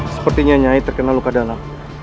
sepertinya nyai terkena luka dalam